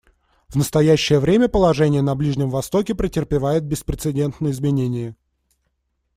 В настоящее время положение на Ближнем Востоке претерпевает беспрецедентные изменения.